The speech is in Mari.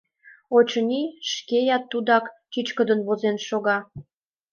Очыни, шкеат тугак чӱчкыдын возен шога.